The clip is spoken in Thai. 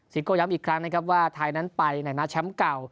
โก้ย้ำอีกครั้งนะครับว่าไทยนั้นไปในฐานะแชมป์เก่า